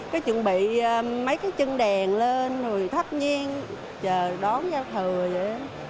cứ chuẩn bị mấy cái chân đèn lên rồi thắp nhiên chờ đón giao thờ vậy đó